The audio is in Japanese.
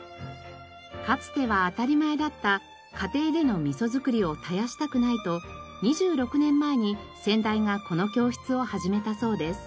かつては当たり前だった家庭でのみそづくりを絶やしたくないと２６年前に先代がこの教室を始めたそうです。